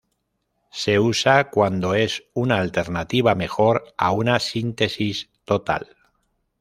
Se usa cuando es una alternativa mejor a una síntesis total.